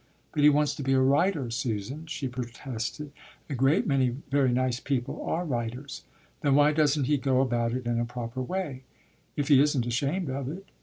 "But he wants to be a writer, Susan," she protested. "A great many very nice people are writers." "Then why doesn't he go about it in a proper way, if he isn't ashamed of it?"